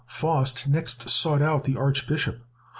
Faust next sought out the Archbishop.